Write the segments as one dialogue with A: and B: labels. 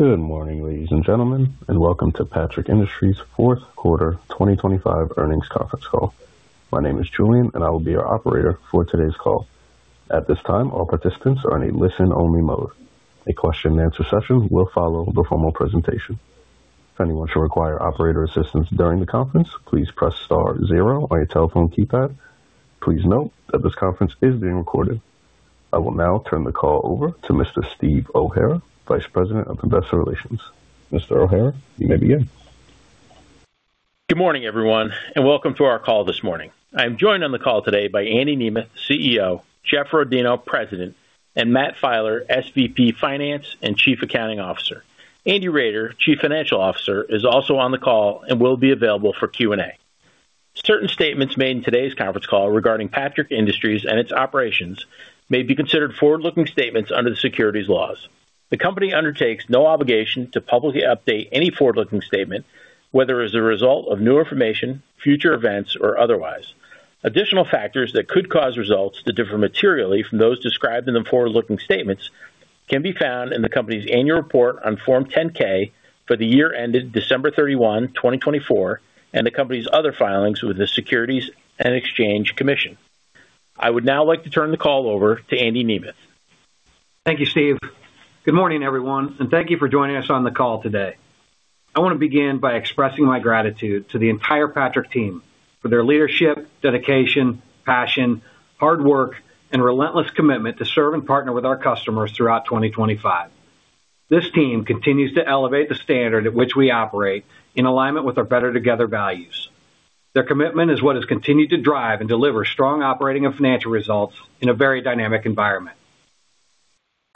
A: Good morning, ladies and gentlemen, and welcome to Patrick Industries' Q4 2025 Earnings Conference Call. My name is Julian, and I will be your operator for today's call. At this time, all participants are in a listen-only mode. A Q&A session will follow the formal presentation. If anyone should require operator assistance during the conference, please press star 0 on your telephone keypad. Please note that this conference is being recorded. I will now turn the call over to Mr. Steve O'Hara, Vice President of Investor Relations. Mr. O'Hara, you may begin.
B: Good morning, everyone, and welcome to our call this morning. I am joined on the call today by Andy Nemeth, CEO; Jeff Rodino, President; and Matt Filer, SVP Finance and Chief Accounting Officer. Andy Roeder, Chief Financial Officer, is also on the call and will be available for Q&A. Certain statements made in today's conference call regarding Patrick Industries and its operations may be considered forward-looking statements under the securities laws. The company undertakes no obligation to publicly update any forward-looking statement, whether as a result of new information, future events, or otherwise. Additional factors that could cause results to differ materially from those described in the forward-looking statements can be found in the company's annual report on Form 10-K for the year ended December 31, 2024, and the company's other filings with the Securities and Exchange Commission. I would now like to turn the call over to Andy Nemeth.
C: Thank you, Steve. Good morning, everyone, and thank you for joining us on the call today. I want to begin by expressing my gratitude to the entire Patrick team for their leadership, dedication, passion, hard work, and relentless commitment to serve and partner with our customers throughout 2025. This team continues to elevate the standard at which we operate in alignment with our Better Together values. Their commitment is what has continued to drive and deliver strong operating and financial results in a very dynamic environment.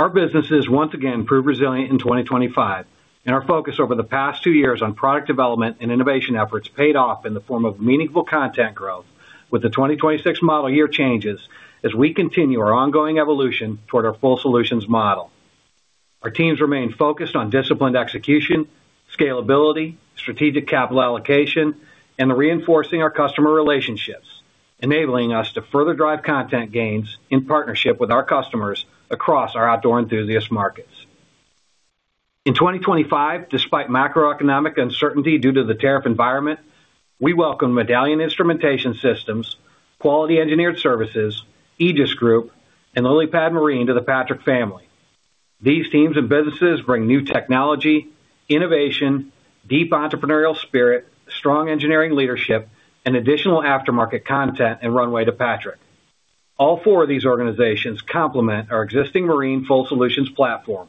C: Our businesses once again proved resilient in 2025, and our focus over the past two years on product development and innovation efforts paid off in the form of meaningful content growth with the 2026 model year changes as we continue our ongoing evolution toward our full solutions model. Our teams remain focused on disciplined execution, scalability, strategic capital allocation, and reinforcing our customer relationships, enabling us to further drive content gains in partnership with our customers across our outdoor enthusiast markets. In 2025, despite macroeconomic uncertainty due to the tariff environment, we welcome Medallion Instrumentation Systems, Quality Engineered Services, Egis Group, and LilliPad Marine to the Patrick family. These teams and businesses bring new technology, innovation, deep entrepreneurial spirit, strong engineering leadership, and additional aftermarket content and runway to Patrick. All four of these organizations complement our existing Marine full solutions platform,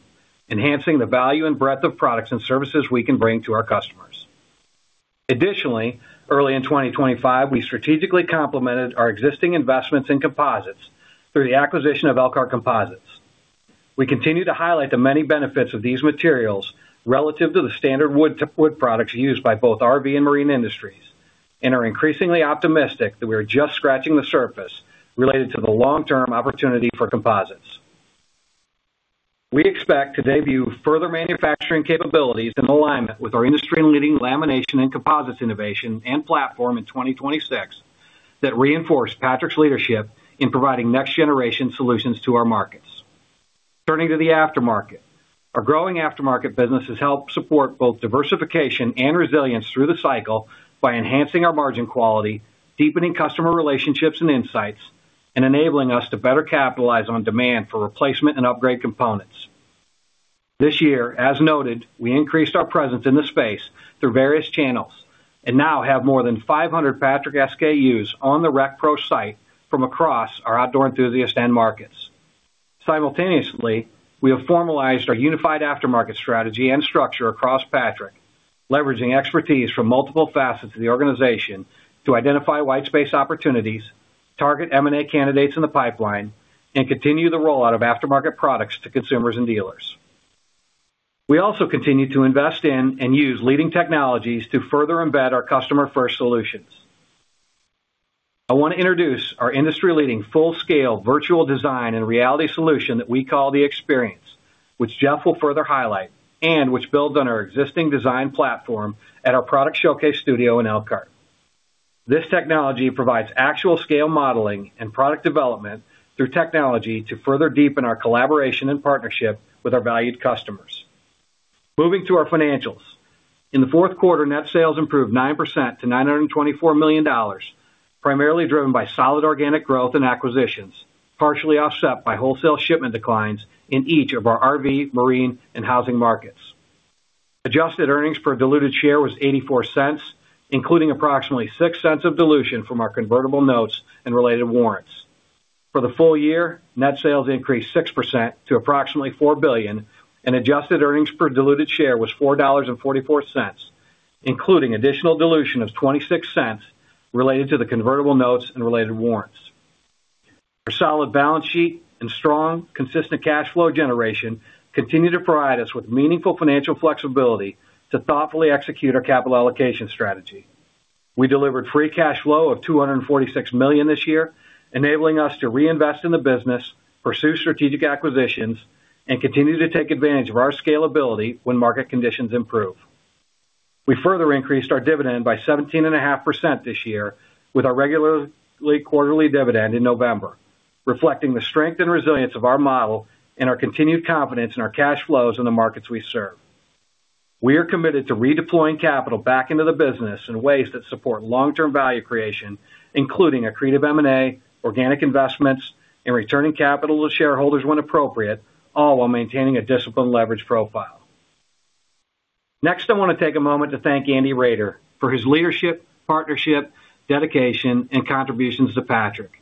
C: enhancing the value and breadth of products and services we can bring to our customers. Additionally, early in 2025, we strategically complemented our existing investments in composites through the acquisition of Elkhart Composites. We continue to highlight the many benefits of these materials relative to the standard wood products used by both RV and marine industries, and are increasingly optimistic that we are just scratching the surface related to the long-term opportunity for composites. We expect to debut further manufacturing capabilities in alignment with our industry-leading lamination and composites innovation and platform in 2026 that reinforce Patrick's leadership in providing next-generation solutions to our markets. Turning to the aftermarket, our growing aftermarket business has helped support both diversification and resilience through the cycle by enhancing our margin quality, deepening customer relationships and insights, and enabling us to better capitalize on demand for replacement and upgrade components. This year, as noted, we increased our presence in the space through various channels and now have more than 500 Patrick SKUs on the RecPro site from across our outdoor enthusiast and markets. Simultaneously, we have formalized our unified aftermarket strategy and structure across Patrick, leveraging expertise from multiple facets of the organization to identify whitespace opportunities, target M&A candidates in the pipeline, and continue the rollout of aftermarket products to consumers and dealers. We also continue to invest in and use leading technologies to further embed our customer-first solutions. I want to introduce our industry-leading full-scale virtual design and reality solution that we call The Experience, which Jeff will further highlight and which builds on our existing design platform at our product showcase studio in Elkhart. This technology provides actual-scale modeling and product development through technology to further deepen our collaboration and partnership with our valued customers. Moving to our financials, in the Q4, net sales improved 9% to $924 million, primarily driven by solid organic growth and acquisitions, partially offset by wholesale shipment declines in each of our RV, Marine, and housing markets. Adjusted Earnings Per Diluted Share was $0.84, including approximately $0.06 of dilution from our Convertible Notes and related warrants. For the full year, net sales increased 6% to approximately $4 billion, and Adjusted Earnings Per Diluted Share was $4.44, including additional dilution of $0.26 related to the Convertible Notes and related warrants. Our solid balance sheet and strong, consistent cash flow generation continue to provide us with meaningful financial flexibility to thoughtfully execute our capital allocation strategy. We delivered free cash flow of $246 million this year, enabling us to reinvest in the business, pursue strategic acquisitions, and continue to take advantage of our scalability when market conditions improve. We further increased our dividend by 17.5% this year with our regularly quarterly dividend in November, reflecting the strength and resilience of our model and our continued confidence in our cash flows in the markets we serve. We are committed to redeploying capital back into the business in ways that support long-term value creation, including a aM&A, organic investments, and returning capital to shareholders when appropriate, all while maintaining a disciplined leverage profile. Next, I want to take a moment to thank Andy Roeder for his leadership, partnership, dedication, and contributions to Patrick.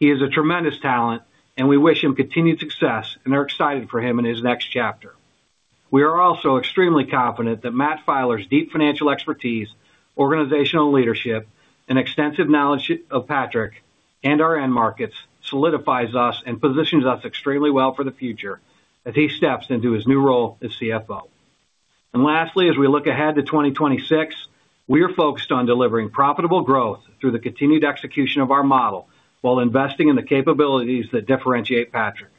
C: He is a tremendous talent, and we wish him continued success and are excited for him in his next chapter. We are also extremely confident that Matt Filer's deep financial expertise, organizational leadership, and extensive knowledge of Patrick and our end markets solidifies us and positions us extremely well for the future as he steps into his new role as CFO. Lastly, as we look ahead to 2026, we are focused on delivering profitable growth through the continued execution of our model while investing in the capabilities that differentiate Patrick.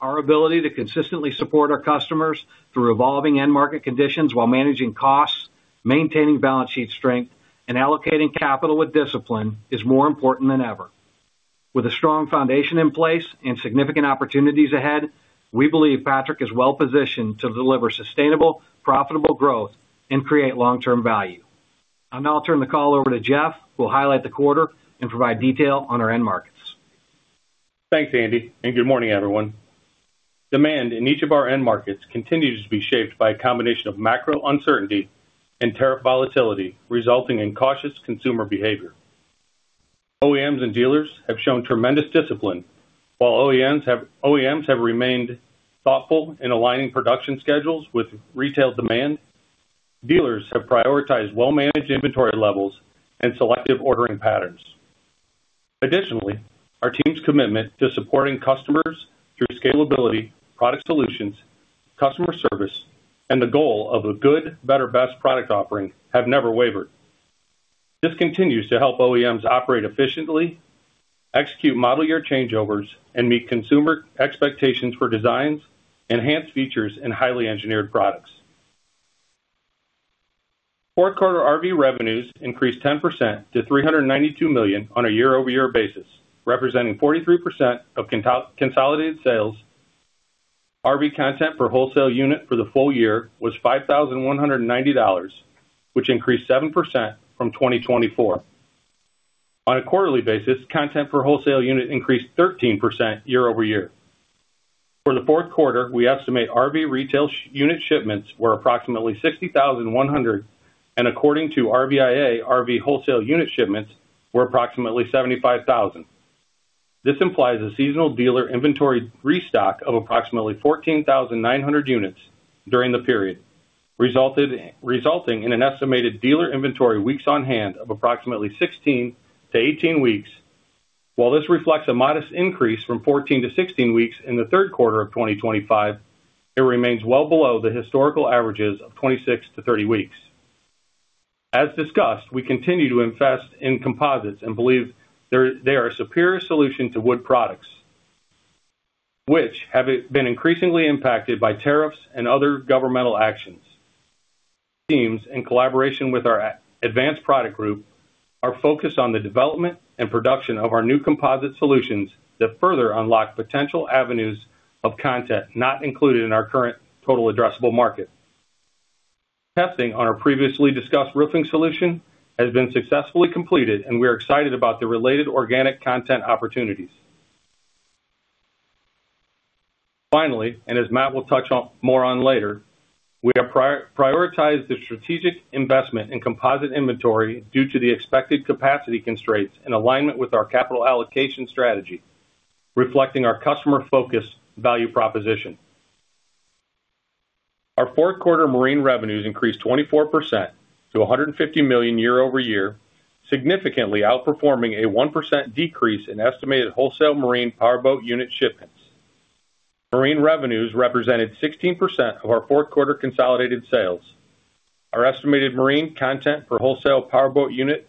C: Our ability to consistently support our customers through evolving end market conditions while managing costs, maintaining balance sheet strength, and allocating capital with discipline is more important than ever. With a strong foundation in place and significant opportunities ahead, we believe Patrick is well-positioned to deliver sustainable, profitable growth and create long-term value. I'll now turn the call over to Jeff, who will highlight the quarter and provide detail on our end markets.
D: Thanks, Andy, and good morning, everyone. Demand in each of our end markets continues to be shaped by a combination of macro uncertainty and tariff volatility, resulting in cautious consumer behavior. OEMs and dealers have shown tremendous discipline, while OEMs have remained thoughtful in aligning production schedules with retail demand. Dealers have prioritized well-managed inventory levels and selective ordering patterns. Additionally, our team's commitment to supporting customers through scalability, product solutions, customer service, and the goal of a good, better, best product offering have never wavered. This continues to help OEMs operate efficiently, execute model year changeovers, and meet consumer expectations for designs, enhanced features, and highly engineered products. Q4 RV revenues increased 10% to $392 million on a year-over-year basis, representing 43% of consolidated sales. RV content per wholesale unit for the full year was $5,190, which increased 7% from 2024. On a quarterly basis, content per wholesale unit increased 13% year-over-year. For the Q4, we estimate RV retail unit shipments were approximately 60,100, and according to RVIA, RV wholesale unit shipments were approximately 75,000. This implies a seasonal dealer inventory restock of approximately 14,900 units during the period, resulting in an estimated dealer inventory weeks on hand of approximately 16-18 weeks. While this reflects a modest increase from 14-16 weeks in the Q3 of 2025, it remains well below the historical averages of 26-30 weeks. As discussed, we continue to invest in composites and believe they are a superior solution to wood products, which have been increasingly impacted by tariffs and other governmental actions. Teams, in collaboration with our advanced product group, are focused on the development and production of our new composite solutions that further unlock potential avenues of content not included in our current total addressable market. Testing on our previously discussed roofing solution has been successfully completed, and we are excited about the related organic content opportunities. Finally, and as Matt will touch more on later, we have prioritized the strategic investment in composite inventory due to the expected capacity constraints in alignment with our capital allocation strategy, reflecting our customer-focused value proposition. Our Q4 Marine revenues increased 24% to $150 million year-over-year, significantly outperforming a 1% decrease in estimated wholesale Marine powerboat unit shipments. Marine revenues represented 16% of our Q4 consolidated sales. Our estimated Marine content per wholesale powerboat unit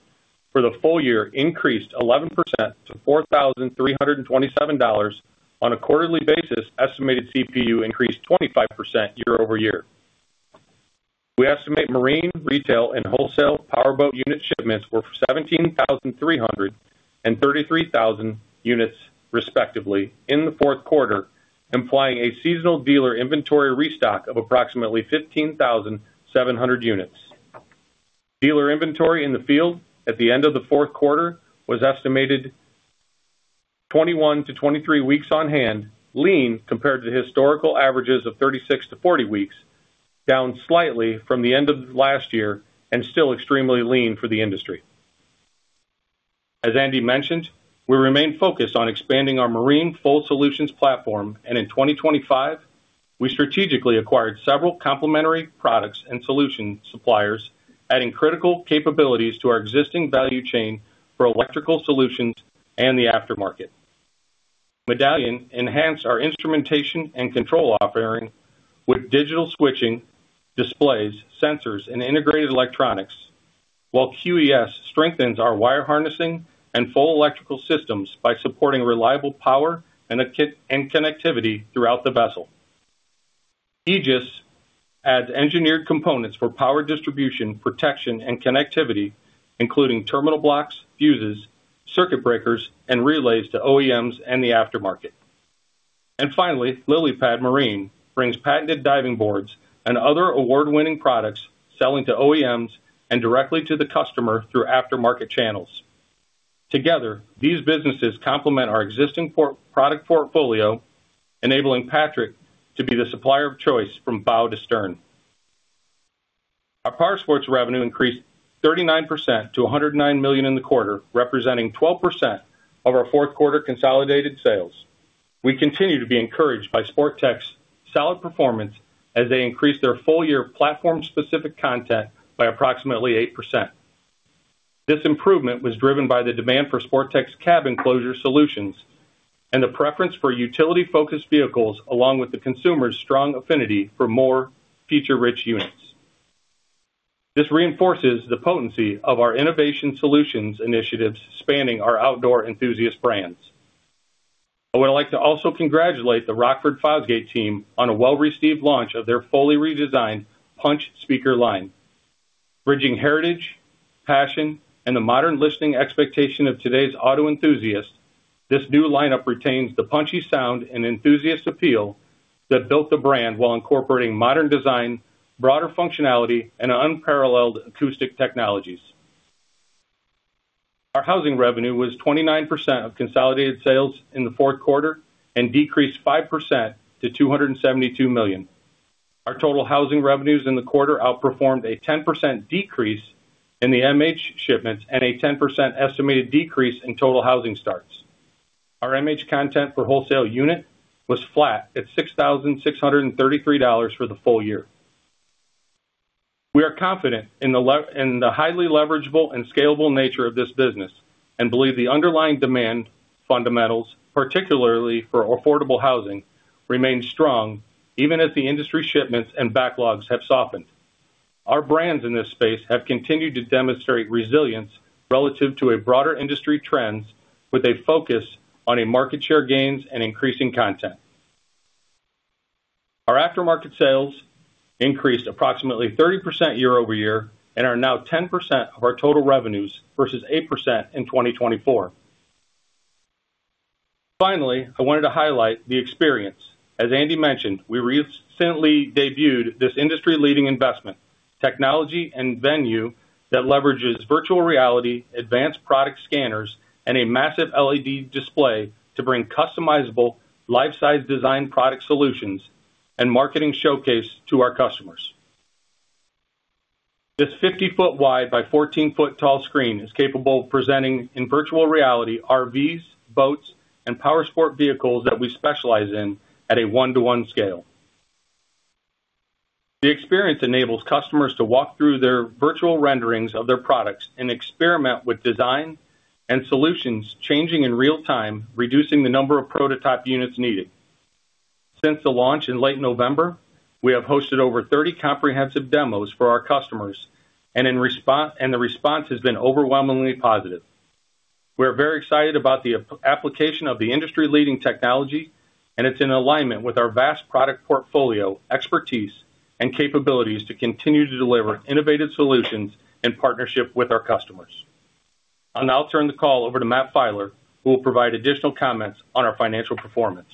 D: for the full year increased 11% to $4,327. On a quarterly basis, estimated CPU increased 25% year-over-year. We estimate Marine retail and wholesale powerboat unit shipments were 17,300 and 33,000 units, respectively, in the Q4, implying a seasonal dealer inventory restock of approximately 15,700 units. Dealer inventory in the field at the end of the Q4 was estimated 21-23 weeks on hand, lean compared to historical averages of 36-40 weeks, down slightly from the end of last year and still extremely lean for the industry. As Andy mentioned, we remain focused on expanding our Marine full solutions platform, and in 2025, we strategically acquired several complementary products and solution suppliers, adding critical capabilities to our existing value chain for electrical solutions and the aftermarket. Medallion enhanced our instrumentation and control offering with digital switching, displays, sensors, and integrated electronics, while QES strengthens our wire harnessing and full electrical systems by supporting reliable power and connectivity throughout the vessel. Egis adds engineered components for power distribution, protection, and connectivity, including terminal blocks, fuses, circuit breakers, and relays to OEMs and the aftermarket. And finally, LilliPad Marine brings patented diving boards and other award-winning products selling to OEMs and directly to the customer through aftermarket channels. Together, these businesses complement our existing product portfolio, enabling Patrick to be the supplier of choice from bow to stern. Our powersports revenue increased 39% to $109 million in the quarter, representing 12% of our Q4 consolidated sales. We continue to be encouraged by Sportech solid performance as they increased their full-year platform-specific content by approximately 8%. This improvement was driven by the demand for Sportech cab enclosure solutions and the preference for utility-focused vehicles, along with the consumer's strong affinity for more feature-rich units. This reinforces the potency of our innovation solutions initiatives spanning our outdoor enthusiast brands. I would like to also congratulate the Rockford Fosgate team on a well-received launch of their fully redesigned Punch speaker line. Bridging heritage, passion, and the modern listening expectation of today's auto enthusiasts, this new lineup retains the punchy sound and enthusiast appeal that built the brand while incorporating modern design, broader functionality, and unparalleled acoustic technologies. Our housing revenue was 29% of consolidated sales in the Q4 and decreased 5% to $272 million. Our total housing revenues in the quarter outperformed a 10% decrease in the MH shipments and a 10% estimated decrease in total housing starts. Our MH content per wholesale unit was flat at $6,633 for the full year. We are confident in the highly leverageable and scalable nature of this business and believe the underlying demand fundamentals, particularly for affordable housing, remain strong even as the industry shipments and backlogs have softened. Our brands in this space have continued to demonstrate resilience relative to broader industry trends, with a focus on market share gains and increasing content. Our aftermarket sales increased approximately 30% year-over-year and are now 10% of our total revenues versus 8% in 2024. Finally, I wanted to highlight The Experience. As Andy mentioned, we recently debuted this industry-leading investment technology and venue that leverages virtual reality, advanced product scanners, and a massive LED display to bring customizable, life-size design product solutions and marketing showcase to our customers. This 50-foot wide by 14-foot tall screen is capable of presenting in virtual reality RVs, boats, and power sport vehicles that we specialize in at a one-to-one scale. The Experience enables customers to walk through their virtual renderings of their products and experiment with design and solutions changing in real-time, reducing the number of prototype units needed. Since the launch in late November, we have hosted over 30 comprehensive demos for our customers, and the response has been overwhelmingly positive. We are very excited about the application of the industry-leading technology, and it's in alignment with our vast product portfolio, expertise, and capabilities to continue to deliver innovative solutions in partnership with our customers. I'll now turn the call over to Matt Filer, who will provide additional comments on our financial performance.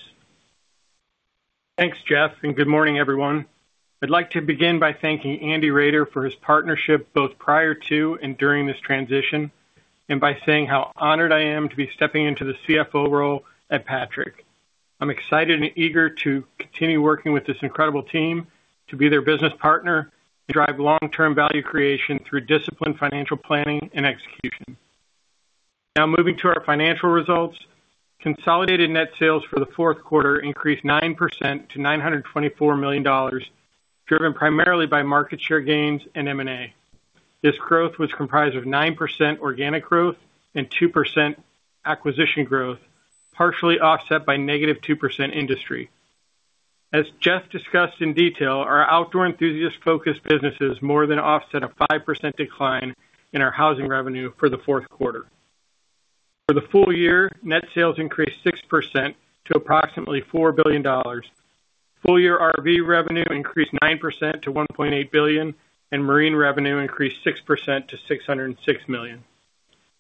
E: Thanks, Jeff, and good morning, everyone. I'd like to begin by thanking Andy Roeder for his partnership both prior to and during this transition and by saying how honored I am to be stepping into the CFO role at Patrick. I'm excited and eager to continue working with this incredible team, to be their business partner, and drive long-term value creation through disciplined financial planning and execution. Now moving to our financial results, consolidated net sales for the Q4 increased 9% to $924 million, driven primarily by market share gains and M&A. This growth was comprised of 9% organic growth and 2% acquisition growth, partially offset by negative 2% industry. As Jeff discussed in detail, our outdoor enthusiast-focused businesses more than offset a 5% decline in our housing revenue for the Q4. For the full year, net sales increased 6% to approximately $4 billion. Full-year RV revenue increased 9% to $1.8 billion, and Marine revenue increased 6% to $606 million.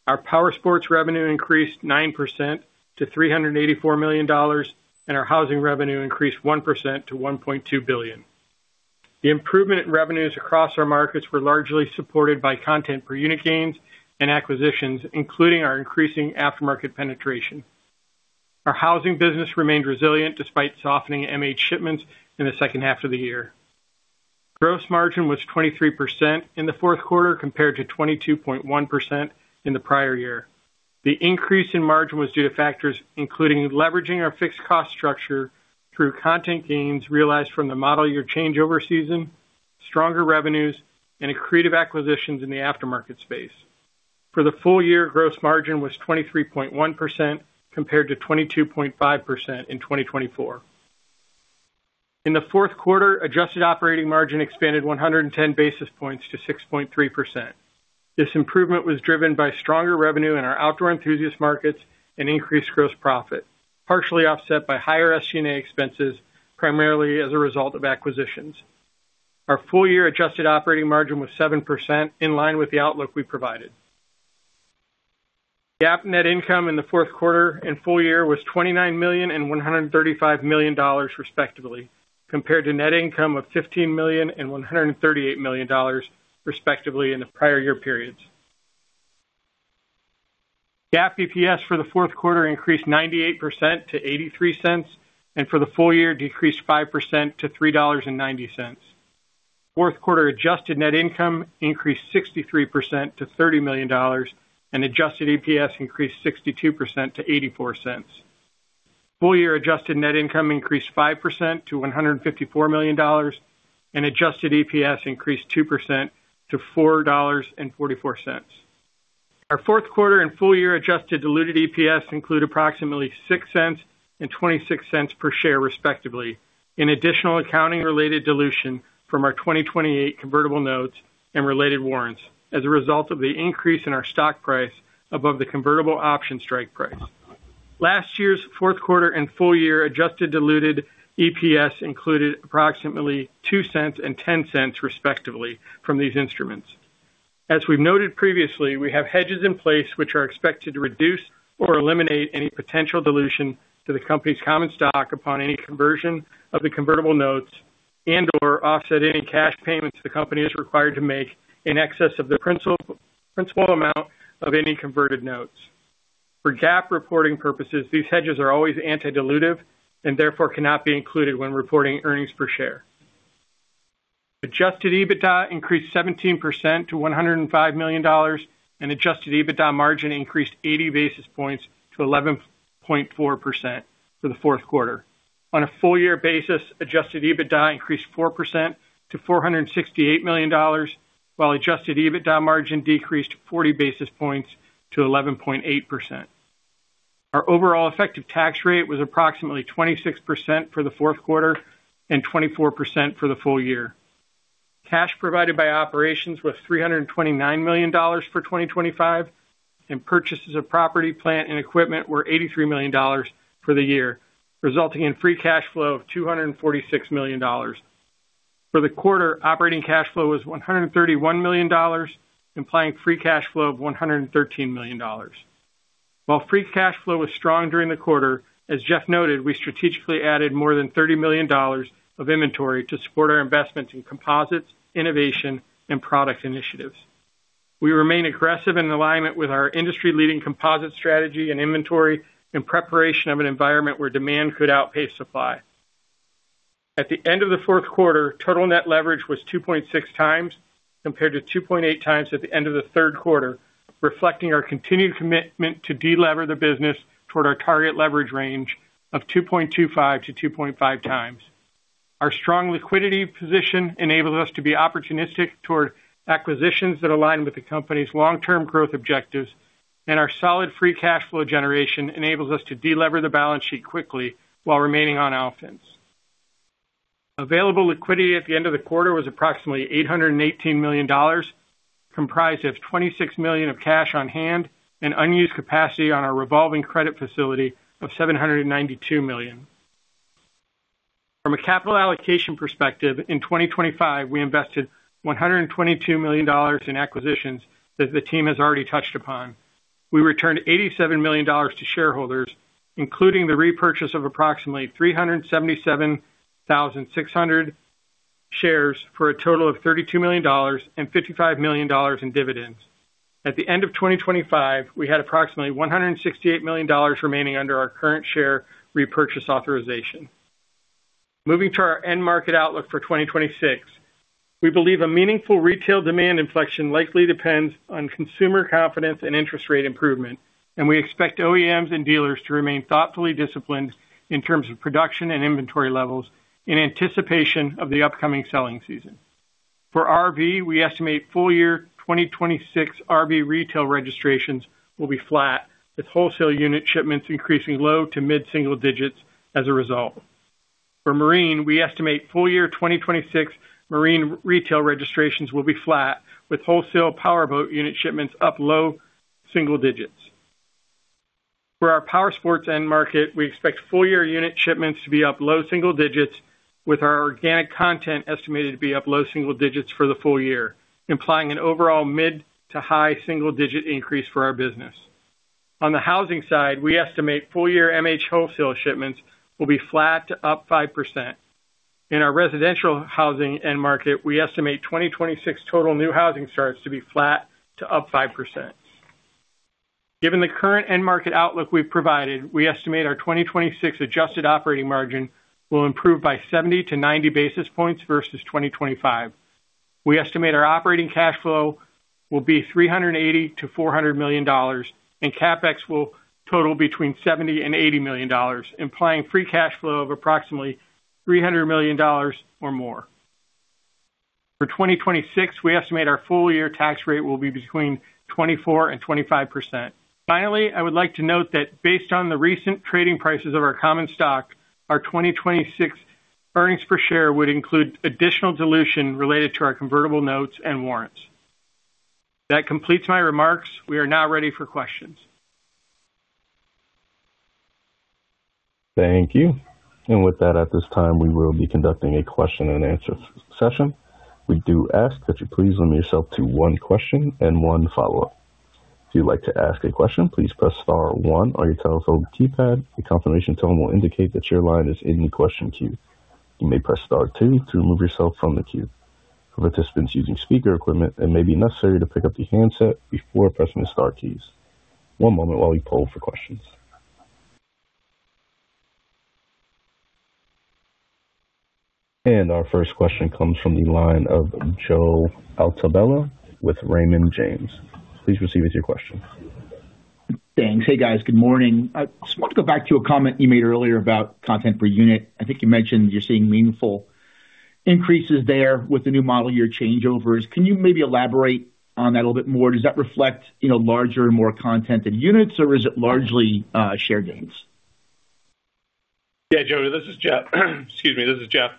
E: Our powersports revenue increased 9% to $384 million, and our housing revenue increased 1% to $1.2 billion. The improvement in revenues across our markets were largely supported by content per unit gains and acquisitions, including our increasing aftermarket penetration. Our housing business remained resilient despite softening MH shipments in the H2 of the year. Gross margin was 23% in the Q4 compared to 22.1% in the prior year. The increase in margin was due to factors including leveraging our fixed cost structure through content gains realized from the model year changeover season, stronger revenues, and creative acquisitions in the aftermarket space. For the full year, gross margin was 23.1% compared to 22.5% in 2024. In the Q4, adjusted operating margin expanded 110 basis points to 6.3%. This improvement was driven by stronger revenue in our outdoor enthusiast markets and increased gross profit, partially offset by higher SG&A expenses, primarily as a result of acquisitions. Our full-year adjusted operating margin was 7%, in line with the outlook we provided. GAAP net income in the Q4 and full year was $29 million and $135 million, respectively, compared to net income of $15 million and $138 million, respectively, in the prior year periods. GAAP EPS for the Q4 increased 98% to $0.83, and for the full year, decreased 5% to $3.90. Q4 adjusted net income increased 63% to $30 million, and adjusted EPS increased 62% to $0.84. Full-year adjusted net income increased 5% to $154 million, and adjusted EPS increased 2% to $4.44. Our Q4 and full-year adjusted diluted EPS include approximately $0.06 and $0.26 per share, respectively, in additional accounting-related dilution from our 2028 convertible notes and related warrants as a result of the increase in our stock price above the convertible option strike price. Last year's Q4 and full-year adjusted diluted EPS included approximately $0.02 and $0.10, respectively, from these instruments. As we've noted previously, we have hedges in place which are expected to reduce or eliminate any potential dilution to the company's common stock upon any conversion of the convertible notes and/or offset any cash payments the company is required to make in excess of the principal amount of any converted notes. For GAAP reporting purposes, these hedges are always anti-dilutive and therefore cannot be included when reporting earnings per share. Adjusted EBITDA increased 17% to $105 million, and adjusted EBITDA margin increased 80 basis points to 11.4% for the Q4. On a full-year basis, adjusted EBITDA increased 4% to $468 million, while adjusted EBITDA margin decreased 40 basis points to 11.8%. Our overall effective tax rate was approximately 26% for the Q4 and 24% for the full year. Cash provided by operations was $329 million for 2025, and purchases of property, plant, and equipment were $83 million for the year, resulting in free cash flow of $246 million. For the quarter, operating cash flow was $131 million, implying free cash flow of $113 million. While free cash flow was strong during the quarter, as Jeff noted, we strategically added more than $30 million of inventory to support our investments in composites, innovation, and product initiatives. We remain aggressive in alignment with our industry-leading composite strategy and inventory in preparation of an environment where demand could outpace supply. At the end of the Q4, total net leverage was 2.6 times compared to 2.8 times at the end of the Q3, reflecting our continued commitment to delever the business toward our target leverage range of 2.25-2.5 times. Our strong liquidity position enables us to be opportunistic toward acquisitions that align with the company's long-term growth objectives, and our solid free cash flow generation enables us to delever the balance sheet quickly while remaining on offense. Available liquidity at the end of the quarter was approximately $818 million, comprised of $26 million of cash on hand and unused capacity on our revolving credit facility of $792 million. From a capital allocation perspective, in 2025, we invested $122 million in acquisitions that the team has already touched upon. We returned $87 million to shareholders, including the repurchase of approximately 377,600 shares for a total of $32 million and $55 million in dividends. At the end of 2025, we had approximately $168 million remaining under our current share repurchase authorization. Moving to our end-market outlook for 2026, we believe a meaningful retail demand inflection likely depends on consumer confidence and interest rate improvement, and we expect OEMs and dealers to remain thoughtfully disciplined in terms of production and inventory levels in anticipation of the upcoming selling season. For RV, we estimate full-year 2026 RV retail registrations will be flat, with wholesale unit shipments increasing low to mid-single digits as a result. For marine, we estimate full-year 2026 marine retail registrations will be flat, with wholesale power boat unit shipments up low single digits. For our power sports end-market, we expect full-year unit shipments to be up low single digits, with our organic content estimated to be up low single digits for the full year, implying an overall mid to high single digit increase for our business. On the housing side, we estimate full-year MH wholesale shipments will be flat to up 5%. In our residential housing end-market, we estimate 2026 total new housing starts to be flat to up 5%. Given the current end-market outlook we've provided, we estimate our 2026 adjusted operating margin will improve by 70 to 90 basis points versus 2025. We estimate our operating cash flow will be $380-$400 million, and CapEx will total between $70-$80 million, implying free cash flow of approximately $300 million or more. For 2026, we estimate our full-year tax rate will be between 24% and 25%. Finally, I would like to note that based on the recent trading prices of our common stock, our 2026 earnings per share would include additional dilution related to our convertible notes and warrants. That completes my remarks. We are now ready for questions.
A: Thank you. With that, at this time, we will be conducting a Q&A session. We do ask that you please limit yourself to one question and one follow-up. If you'd like to ask a question, please press star one on your telephone keypad. The confirmation tone will indicate that your line is in the question queue. You may press star two to remove yourself from the queue. For participants using speaker equipment, it may be necessary to pick up the handset before pressing the star keys. One moment while we poll for questions. Our first question comes from the line of Joe Altobello with Raymond James. Please proceed with your question.
F: Thanks. Hey, guys. Good morning. I just wanted to go back to a comment you made earlier about content per unit. I think you mentioned you're seeing meaningful increases there with the new model year changeovers. Can you maybe elaborate on that a little bit more? Does that reflect larger and more content in units, or is it largely share gains?
D: Joe, this is Jeff. Excuse me. This is Jeff.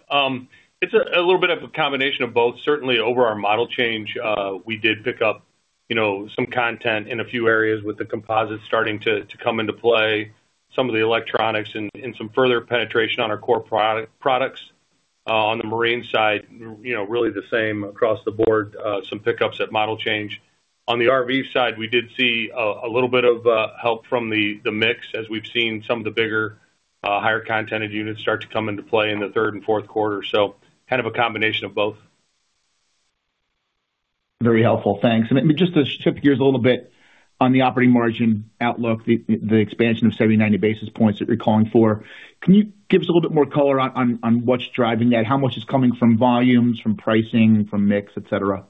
D: It's a little bit of a combination of both. Certainly, over our model change, we did pick up some content in a few areas with the composites starting to come into play, some of the electronics, and some further penetration on our core products. On the marine side, really the same across the board, some pickups at model change. On the RV side, we did see a little bit of help from the mix as we've seen some of the bigger, higher contented units start to come into play in the third and Q4. So a combination of both.
F: Very helpful. Thanks. Just to shift gears a little bit on the operating margin outlook, the expansion of 70-90 basis points that you're calling for, can you give us a little bit more color on what's driving that? How much is coming from volumes, from pricing, from mix, etc.?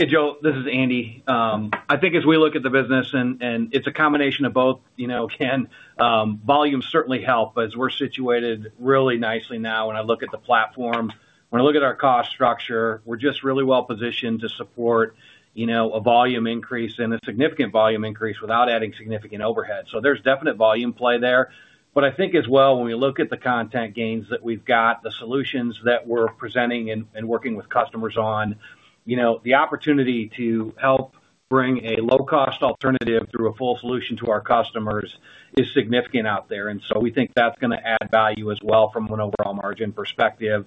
C: Hey, Joe. This is Andy. I think as we look at the business, and it's a combination of both, again, volume certainly helped, but as we're situated really nicely now, when I look at the platform, when I look at our cost structure, we're just really well positioned to support a volume increase and a significant volume increase without adding significant overhead. So there's definite volume play there. But I think as well, when we look at the content gains that we've got, the solutions that we're presenting and working with customers on, the opportunity to help bring a low-cost alternative through a full solution to our customers is significant out there. And so we think that's going to add value as well from an overall margin perspective,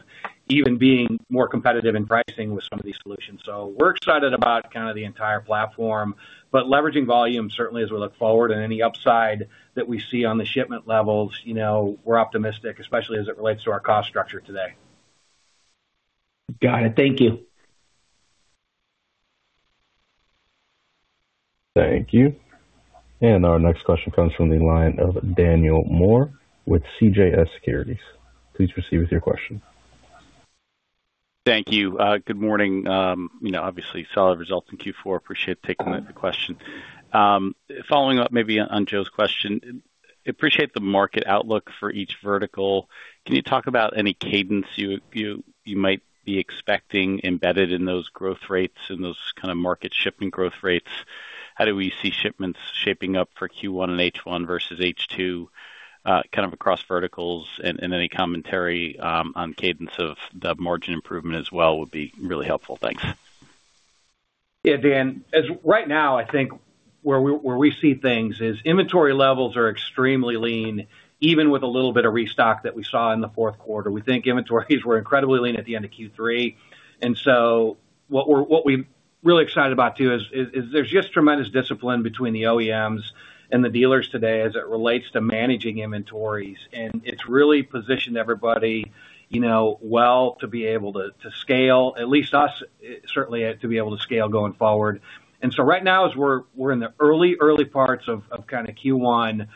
C: even being more competitive in pricing with some of these solutions. We're excited about the entire platform, but leveraging volume certainly as we look forward. Any upside that we see on the shipment levels, we're optimistic, especially as it relates to our cost structure today.
F: Got it. Thank you.
A: Thank you. And our next question comes from the line of Daniel Moore with CJS Securities. Please proceed with your question.
G: Thank you. Good morning. Obviously, solid results in Q4. Appreciate taking the question. Following up maybe on Joe's question, I appreciate the market outlook for each vertical. Can you talk about any cadence you might be expecting embedded in those growth rates, in those market shipping growth rates? How do we see shipments shaping up for Q1 and H1 versus H2 across verticals? And any commentary on cadence of the margin improvement as well would be really helpful. Thanks.
C: Dan, right now, I think where we see things is inventory levels are extremely lean, even with a little bit of restock that we saw in the Q4. We think inventories were incredibly lean at the end of Q3. And so what we're really excited about too is there's just tremendous discipline between the OEMs and the dealers today as it relates to managing inventories. And it's really positioned everybody well to be able to scale, at least us, certainly to be able to scale going forward. And so right now, as we're in the early, early parts of Q1,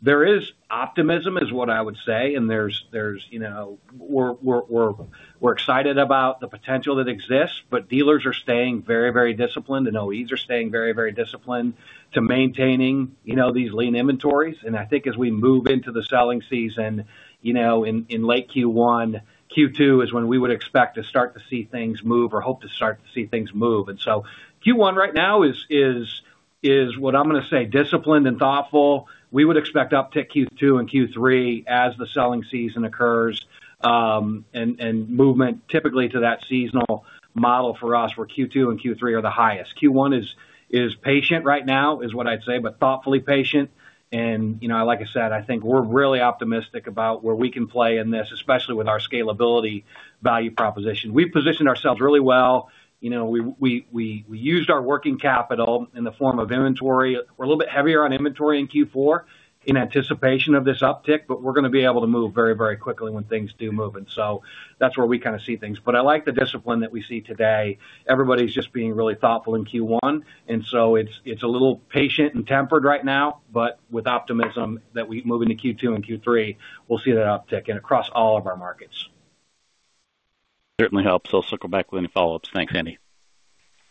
C: there is optimism is what I would say. And we're excited about the potential that exists, but dealers are staying very, very disciplined, and OEs are staying very, very disciplined to maintaining these lean inventories. I think as we move into the selling season in late Q1, Q2 is when we would expect to start to see things move or hope to start to see things move. And so Q1 right now is what I'm going to say, disciplined and thoughtful. We would expect uptick Q2 and Q3 as the selling season occurs and movement typically to that seasonal model for us where Q2 and Q3 are the highest. Q1 is patient right now is what I'd say, but thoughtfully patient. And like I said, I think we're really optimistic about where we can play in this, especially with our scalability value proposition. We've positioned ourselves really well. We used our working capital in the form of inventory. We're a little bit heavier on inventory in Q4 in anticipation of this uptick, but we're going to be able to move very, very quickly when things do move. And so that's where we see things. But I like the discipline that we see today. Everybody's just being really thoughtful in Q1. And so it's a little patient and tempered right now, but with optimism that moving to Q2 and Q3, we'll see that uptick and across all of our markets.
G: Certainly helps. I'll circle back with any follow-ups. Thanks, Andy.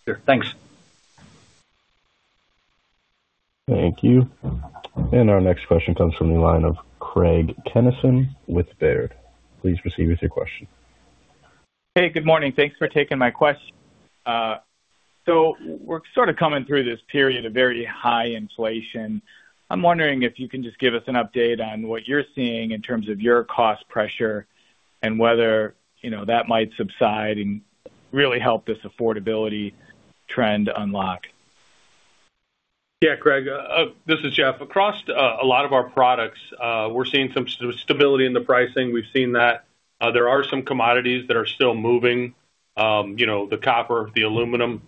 C: Sure. Thanks.
A: Thank you. Our next question comes from the line of Craig Kennison with Baird. Please proceed with your question.
H: Hey, good morning. Thanks for taking my question. So we're coming through this period of very high inflation. I'm wondering if you can just give us an update on what you're seeing in terms of your cost pressure and whether that might subside and really help this affordability trend unlock.
D: Craig, this is Jeff. Across a lot of our products, we're seeing some stability in the pricing. We've seen that. There are some commodities that are still moving, the copper, the aluminum.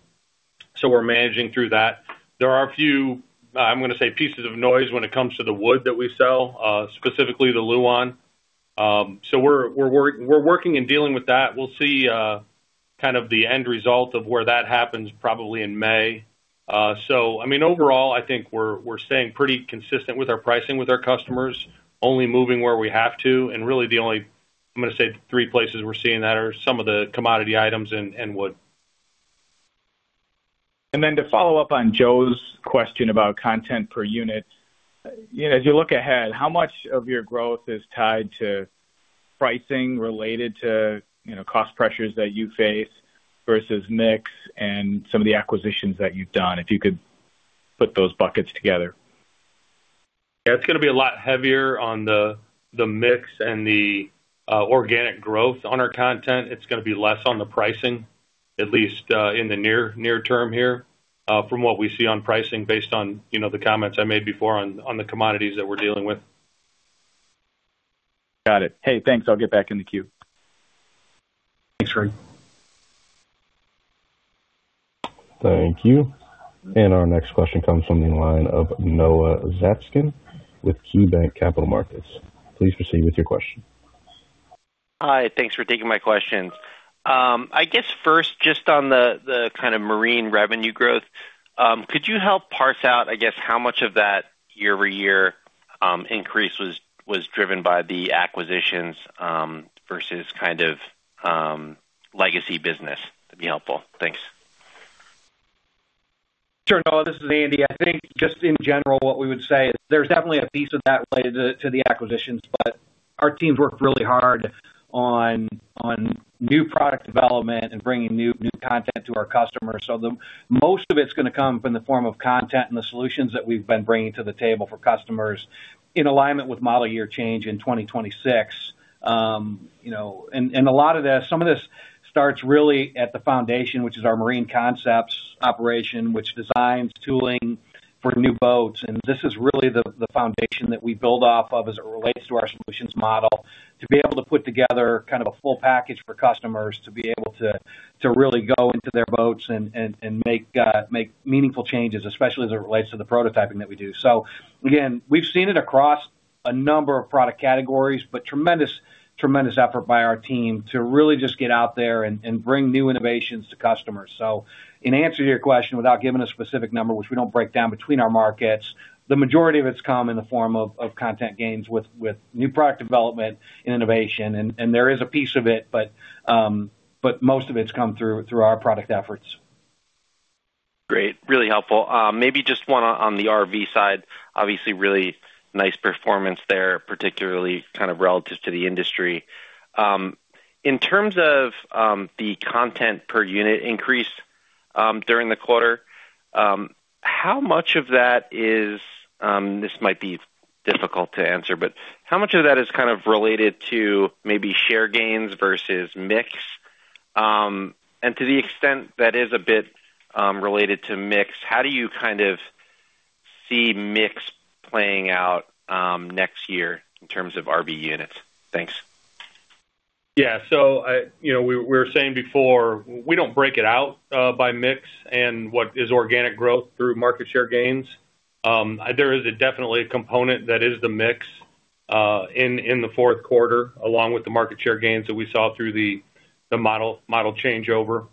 D: So we're managing through that. There are a few, I'm going to say, pieces of noise when it comes to the wood that we sell, specifically the Lauan. So we're working and dealing with that. We'll see the end result of where that happens probably in May. So I mean, overall, I think we're staying pretty consistent with our pricing with our customers, only moving where we have to. And really, the only, I'm going to say, three places we're seeing that are some of the commodity items and wood.
H: And then to follow up on Joe's question about content per unit, as you look ahead, how much of your growth is tied to pricing related to cost pressures that you face versus mix and some of the acquisitions that you've done, if you could put those buckets together?
D: It's going to be a lot heavier on the mix and the organic growth on our content. It's going to be less on the pricing, at least in the near term here from what we see on pricing based on the comments I made before on the commodities that we're dealing with.
H: Got it. Hey, thanks. I'll get back in the queue.
D: Thanks, Craig.
A: Thank you. Our next question comes from the line of Noah Zatzkin with KeyBanc Capital Markets. Please proceed with your question.
I: Hi. Thanks for taking my questions. I guess first, just on the marine revenue growth, could you help parse out, I guess, how much of that year-over-year increase was driven by the acquisitions versus legacy business? That'd be helpful. Thanks.
C: Sure, Noah. This is Andy. I think just in general, what we would say is there's definitely a piece of that related to the acquisitions, but our teams worked really hard on new product development and bringing new content to our customers. So most of it's going to come from the form of content and the solutions that we've been bringing to the table for customers in alignment with model year change in 2026. And a lot of this, some of this starts really at the foundation, which is our marine concepts operation, which designs tooling for new boats. This is really the foundation that we build off of as it relates to our solutions model to be able to put together a full package for customers to be able to really go into their boats and make meaningful changes, especially as it relates to the prototyping that we do. So again, we've seen it across a number of product categories, but tremendous, tremendous effort by our team to really just get out there and bring new innovations to customers. So in answer to your question, without giving a specific number, which we don't break down between our markets, the majority of it's come in the form of content gains with new product development and innovation. There is a piece of it, but most of it's come through our product efforts.
I: Great. Really helpful. Maybe just one on the RV side, obviously, really nice performance there, particularly relative to the industry. In terms of the content per unit increase during the quarter, how much of that is this might be difficult to answer, but how much of that is related to maybe share gains versus mix? And to the extent that is a bit related to mix, how do you see mix playing out next year in terms of RV units? Thanks.
D: So we were saying before, we don't break it out by mix and what is organic growth through market share gains. There is definitely a component that is the mix in the Q4 along with the market share gains that we saw through the model changeover.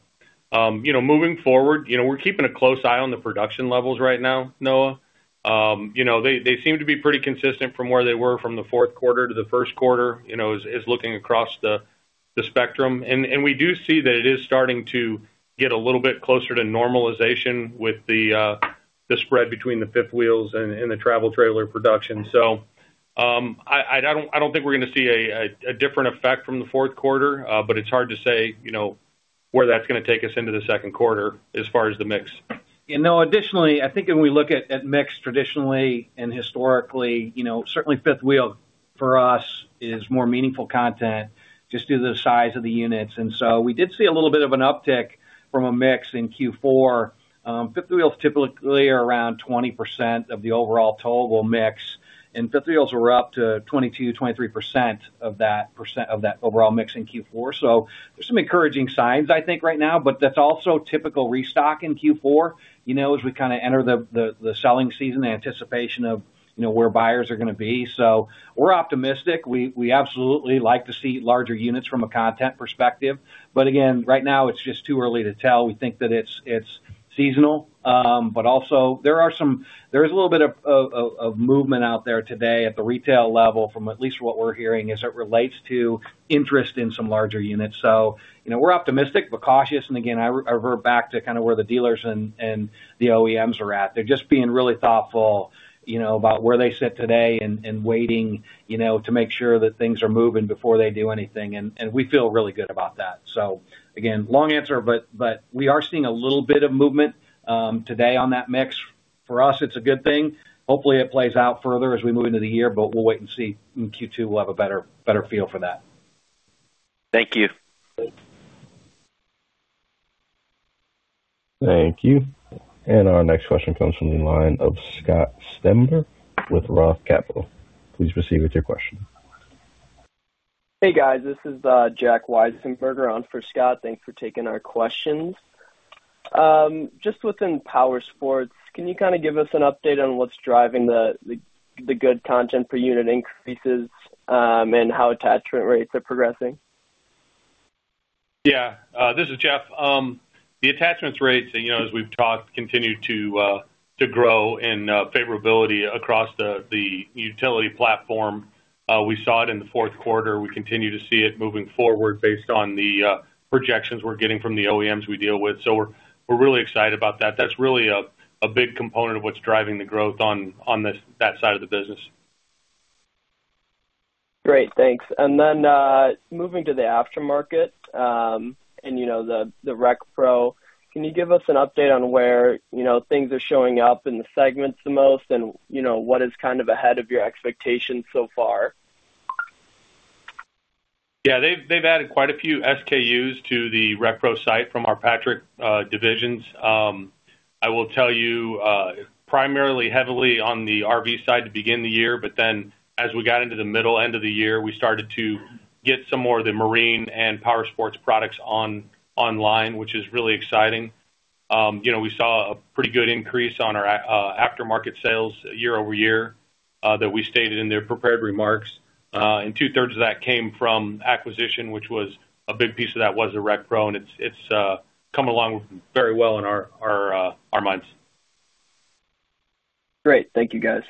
D: Moving forward, we're keeping a close eye on the production levels right now, Noah. They seem to be pretty consistent from where they were from the Q4 to the Q1, looking across the spectrum. And we do see that it is starting to get a little bit closer to normalization with the spread between the fifth wheels and the travel trailer production. So I don't think we're going to see a different effect from the Q4, but it's hard to say where that's going to take us into the Q2 as far as the mix.
C: Now, additionally, I think when we look at mix traditionally and historically, certainly fifth wheel for us is more meaningful content just due to the size of the units. And so we did see a little bit of an uptick from a mix in Q4. Fifth wheels typically are around 20% of the overall total mix, and fifth wheels were up to 22%-23% of that overall mix in Q4. So there's some encouraging signs, right now, but that's also typical restock in Q4 as we enter the selling season, the anticipation of where buyers are going to be. So we're optimistic. We absolutely like to see larger units from a content perspective. But again, right now, it's just too early to tell. We think that it's seasonal. But also, there is a little bit of movement out there today at the retail level from at least what we're hearing as it relates to interest in some larger units. So we're optimistic, but cautious. And again, I revert back to where the dealers and the OEMs are at. They're just being really thoughtful about where they sit today and waiting to make sure that things are moving before they do anything. And we feel really good about that. So again, long answer, but we are seeing a little bit of movement today on that mix. For us, it's a good thing. Hopefully, it plays out further as we move into the year, but we'll wait and see. In Q2, we'll have a better feel for that.
I: Thank you.
A: Thank you. And our next question comes from the line of Scott Stember with Roth Capital. Please proceed with your question.
J: Hey, guys. This is Jack Weisenberger, on for Scott. Thanks for taking our questions. Just within powersports, can you give us an update on what's driving the good content per unit increases and how attachment rates are progressing?
D: This is Jeff. The attachment rates, as we've talked, continue to grow in favorability across the utility platform. We saw it in the Q4. We continue to see it moving forward based on the projections we're getting from the OEMs we deal with. So we're really excited about that. That's really a big component of what's driving the growth on that side of the business.
J: Great. Thanks. And then moving to the aftermarket and the RecPro, can you give us an update on where things are showing up in the segments the most and what is ahead of your expectations so far?
D: They've added quite a few SKUs to the RecPro site from our Patrick divisions. I will tell you, primarily heavily on the RV side to begin the year, but then as we got into the middle end of the year, we started to get some more of the marine and powersports products online, which is really exciting. We saw a pretty good increase on our aftermarket sales year-over-year that we stated in their prepared remarks. And two-thirds of that came from acquisition, which was a big piece of that was the RecPro. And it's coming along very well in our minds.
J: Great. Thank you, guys.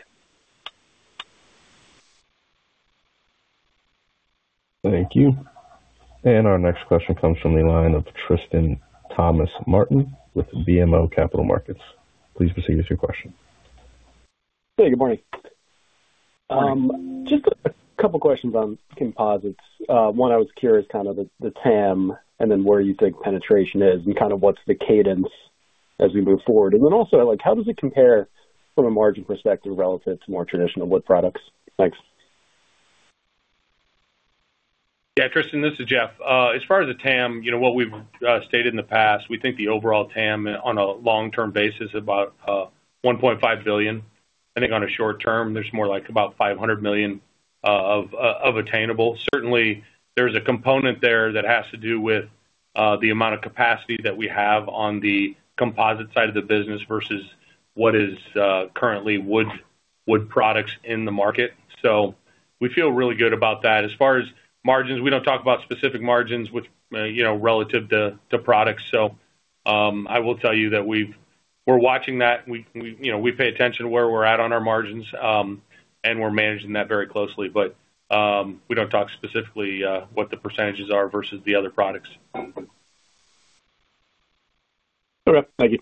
A: Thank you. Our next question comes from the line of Tristan Thomas-Martin with BMO Capital Markets. Please proceed with your question.
K: Hey. Good morning. Just a couple of questions on composites. One, I was curious the TAM and then where you think penetration is and what's the cadence as we move forward. And then also, how does it compare from a margin perspective relative to more traditional wood products? Thanks.
D: Tristan, this is Jeff. As far as the TAM, what we've stated in the past, we think the overall TAM on a long-term basis is about $1.5 billion. I think on a short term, there's more like about $500 million of attainable. Certainly, there's a component there that has to do with the amount of capacity that we have on the composite side of the business versus what is currently wood products in the market. So we feel really good about that. As far as margins, we don't talk about specific margins relative to products. So I will tell you that we're watching that. We pay attention to where we're at on our margins, and we're managing that very closely. But we don't talk specifically what the percentages are versus the other products.
K: Thank you.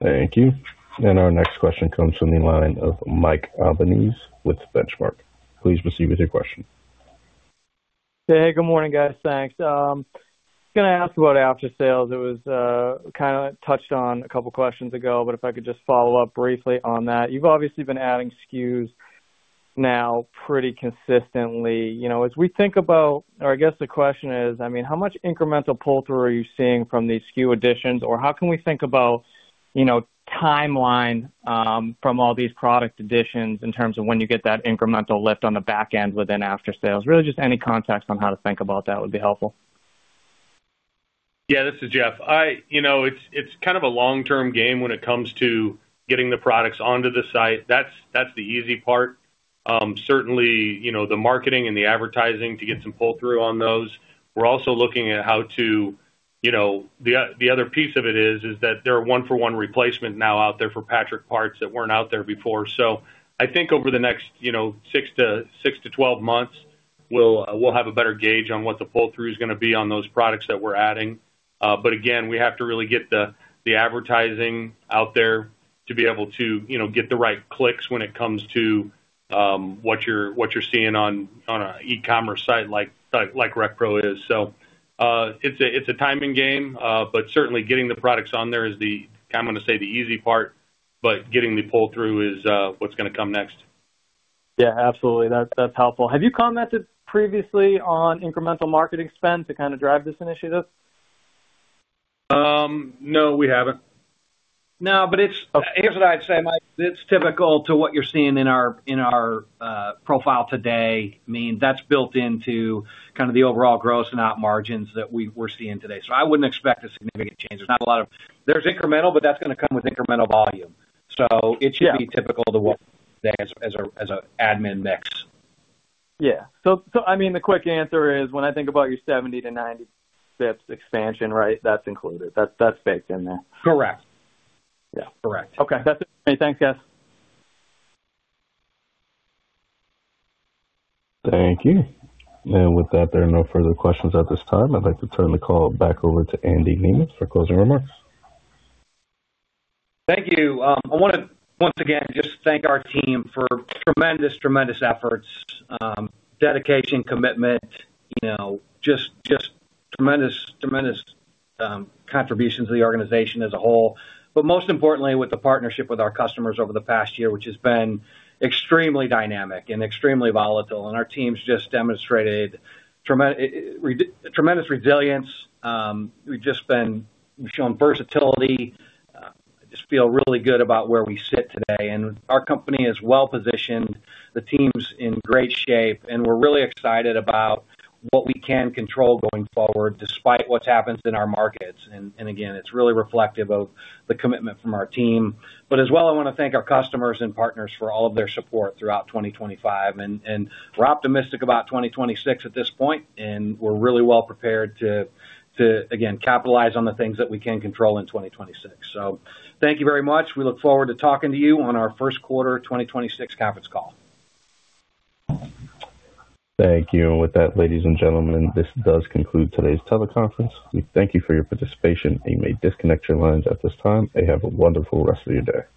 A: Thank you. Our next question comes from the line of Mike Albanese with Benchmark. Please proceed with your question.
L: Hey. Good morning, guys. Thanks. I was going to ask about after sales. It was touched on a couple of questions ago, but if I could just follow up briefly on that. You've obviously been adding SKUs now pretty consistently. As we think about or I guess the question is, I mean, how much incremental pull-through are you seeing from these SKU additions, or how can we think about timeline from all these product additions in terms of when you get that incremental lift on the back end within after sales? Really, just any context on how to think about that would be helpful.
D: This is Jeff. It's a long-term game when it comes to getting the products onto the site. That's the easy part. Certainly, the marketing and the advertising to get some pull-through on those. We're also looking at how to the other piece of it is that there are one-for-one replacements now out there for Patrick parts that weren't out there before. So I think over the next 6-12 months, we'll have a better gauge on what the pull-through is going to be on those products that we're adding. But again, we have to really get the advertising out there to be able to get the right clicks when it comes to what you're seeing on an e-commerce site like RecPro is. So it's a timing game, but certainly, getting the products on there is the, I'm going to say, the easy part, but getting the pull-through is what's going to come next.
L: Absolutely. That's helpful. Have you commented previously on incremental marketing spend to drive this initiative?
D: No, we haven't.
C: No. But here's what I'd say, Mike. It's typical to what you're seeing in our profile today, means that's built into the overall gross and op margins that we're seeing today. So I wouldn't expect a significant change. There's not a lot of incremental, but that's going to come with incremental volume. So it should be typical to what we see today as an admin mix.
L: So I mean, the quick answer is when I think about your 70-90 basis points expansion that's included. That's baked in there.
C: Correct.
L: That's it for me. Thanks, guys.
A: Thank you. With that, there are no further questions at this time. I'd like to turn the call back over to Andy Nemeth for closing remarks.
C: Thank you. I want to, once again, just thank our team for tremendous, tremendous efforts, dedication, commitment, just tremendous, tremendous contributions to the organization as a whole, but most importantly, with the partnership with our customers over the past year, which has been extremely dynamic and extremely volatile. Our teams just demonstrated tremendous resilience. We've just been showing versatility. I just feel really good about where we sit today. Our company is well-positioned. The team's in great shape. We're really excited about what we can control going forward despite what's happened in our markets. Again, it's really reflective of the commitment from our team. But as well, I want to thank our customers and partners for all of their support throughout 2025. We're optimistic about 2026 at this point, and we're really well prepared to, again, capitalize on the things that we can control in 2026. Thank you very much. We look forward to talking to you on our Q1 2026 conference call.
A: Thank you. With that, ladies and gentlemen, this does conclude today's teleconference. We thank you for your participation. You may disconnect your lines at this time. Have a wonderful rest of your day.